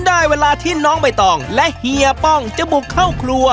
ได้เวลาที่น้องใบตองและเฮียป้องจะบุกเข้าครัว